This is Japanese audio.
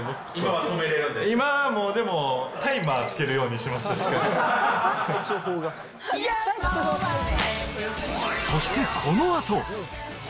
今もう、でも、タイマーつけるようにしました、しっかり。